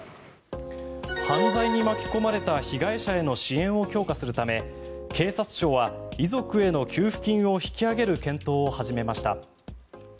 犯罪に巻き込まれた被害者への支援を強化するため警察庁は遺族への給付金を引き上げる検討を始めました。